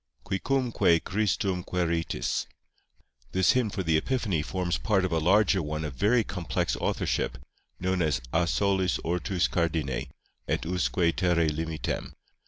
QUICUMQUE CHRISTUM QUÆRITIS This hymn for the Epiphany forms part of a larger one of very complex authorship, known as A solis ortûs cardine, Et usque terræ limitem.